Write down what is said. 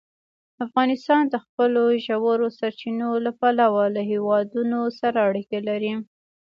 افغانستان د خپلو ژورو سرچینو له پلوه له هېوادونو سره اړیکې لري.